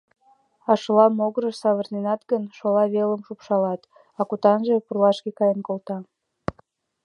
А шола могырыш савырнынет гын, шола велым шупшылат, а кутанже пурлашке каен колта...